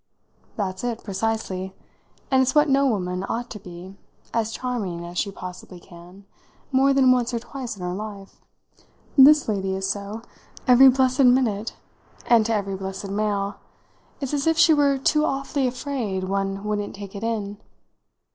"That's it, precisely; and it's what no woman ought to be as charming as she possibly can! more than once or twice in her life. This lady is so every blessed minute, and to every blessed male. It's as if she were too awfully afraid one wouldn't take it in.